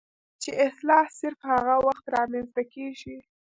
چې اصلاح صرف هغه وخت رامنځته کيږي